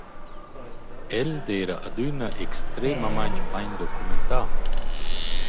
El d’eira adüna extremamaing bain documentà.